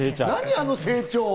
あの成長。